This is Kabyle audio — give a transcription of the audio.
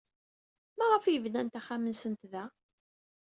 Maɣef ay bnant axxam-nsent da?